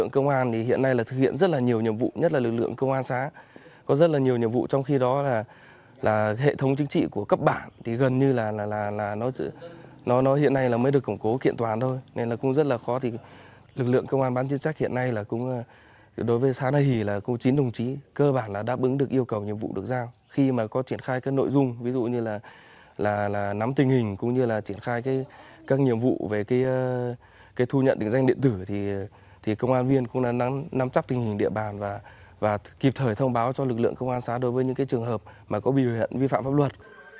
cơ bản là đáp ứng được yêu cầu nhiệm vụ được giao khi mà có triển khai các nội dung ví dụ như là nắm tình hình cũng như là triển khai các nhiệm vụ về cái thu nhận định danh điện tử thì công an viên cũng là nắm chắc tình hình địa bàn và kịp thời thông báo cho lực lượng công an xã đối với những trường hợp mà có biểu hiện vi phạm pháp luật